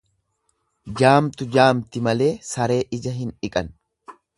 Jaamtu jaamti malee saree ija hin dhiqan.